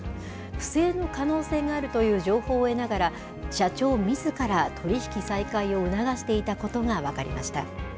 不正の可能性があるという情報を得ながら、社長みずから取り引き再開を促していたことが分かりました。